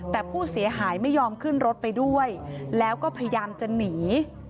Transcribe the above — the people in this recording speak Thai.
แต่ผู้เสียหายไม่ยอมขึ้นรถไปด้วยแล้วก็พยายามจะหนี